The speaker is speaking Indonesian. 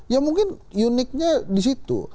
ya mungkin uniknya di situ